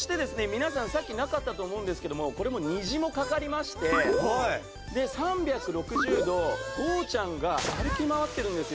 皆さんさっきなかったと思うんですけどもこれも虹もかかりましてで３６０度ゴーちゃん。が歩き回ってるんですよ。